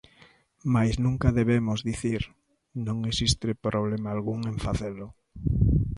Mais nunca debemos dicir "Non existe problema algún en facelo".